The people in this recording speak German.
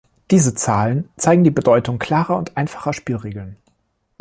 Diese Zahlen zeigen die Bedeutung klarer und einfacher Spielregeln.